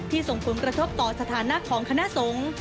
ที่สมควรกระทบต่อสถานกของคณะสงฆ์